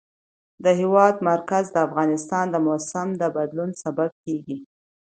د هېواد مرکز د افغانستان د موسم د بدلون سبب کېږي.